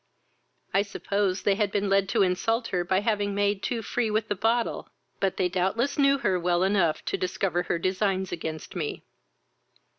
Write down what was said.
I supposed they had been led to insult her by having made too free with the bottle; but they doubtless knew her well enough to discover her designs against me.